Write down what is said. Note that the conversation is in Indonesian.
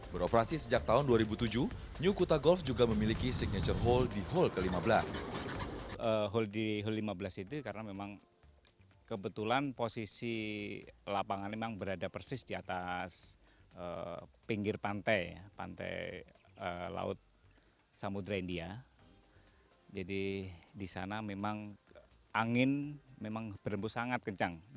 beroperasi sejak tahun dua ribu tujuh new kuta golf juga memiliki signature hole di hole ke lima belas